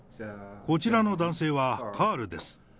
こちらの男性はカールです。